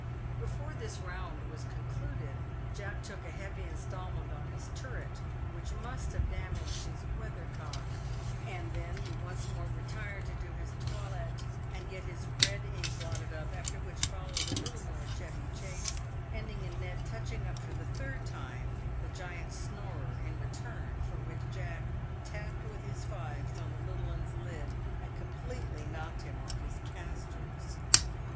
Before this round was concluded, Jack took a heavy instalment on his " turret," which must have damaged his " weathercock ;" and then he once more retired to do his toilet and get his "red ink" blotted up, after which followed a little more chevy chase, ending in Ned touching up for the third time the giant's "snorer," in return for which Jack tapped with his fives on the little 'un's lid, and completely knocked him off his castors.